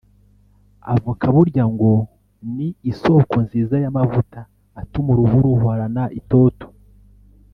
Avoka burya ngo ni isoko nziza y’amavuta atuma uruhu ruhorana itoto